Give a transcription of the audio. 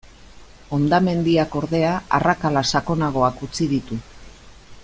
Hondamendiak, ordea, arrakala sakonagoak utzi ditu.